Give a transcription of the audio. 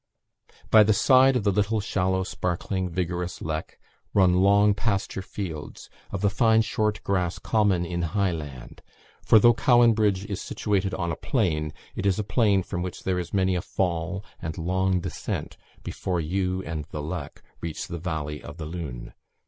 By the side of the little, shallow, sparkling, vigorous Leck, run long pasture fields, of the fine short grass common in high land; for though Cowan Bridge is situated on a plain, it is a plain from which there is many a fall and long descent before you and the Leck reach the valley of the Lune.